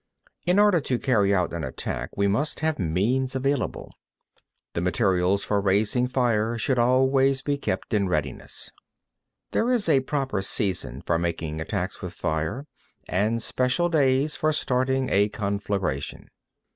2. In order to carry out an attack, we must have means available. The material for raising fire should always be kept in readiness. 3. There is a proper season for making attacks with fire, and special days for starting a conflagration.